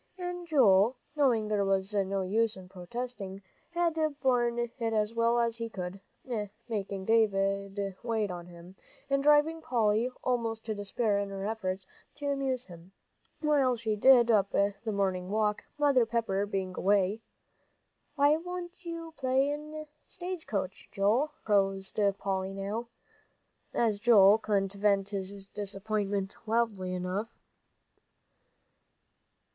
And Joel, knowing there was no use in protesting, had borne it as well as he could, making Davie wait on him, and driving Polly almost to despair in her efforts to amuse him, while she did up the morning work, Mother Pepper being away. "Why don't you play stage coach, Joel?" proposed Polly now, as Joel couldn't vent his disappointment loudly enough.